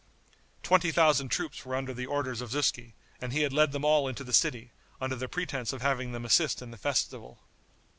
Twenty thousand troops were under the orders of Zuski, and he had led them all into the city, under the pretense of having them assist in the festival.